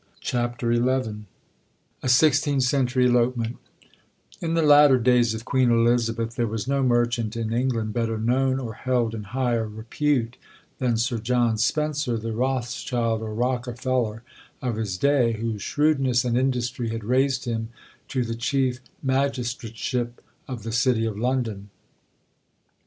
CHAPTER XI A SIXTEENTH CENTURY ELOPEMENT In the latter days of Queen Elizabeth there was no merchant in England better known or held in higher repute than Sir John Spencer, the Rothschild or Rockefeller of his day, whose shrewdness and industry had raised him to the Chief Magistrateship of the City of London.